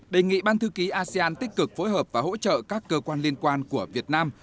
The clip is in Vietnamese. đề nghị ban thư ký asean tích cực phối hợp và hỗ trợ các cơ quan liên quan của việt nam